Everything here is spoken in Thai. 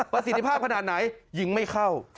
ประสิทธิภาพขนาดไหนยิงไม่เข้า